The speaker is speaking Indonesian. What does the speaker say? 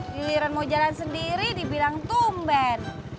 giliran mau jalan sendiri dibilang tumben